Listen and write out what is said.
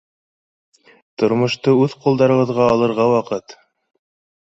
Тормошто үҙ ҡулдарығыҙға алырға ваҡыт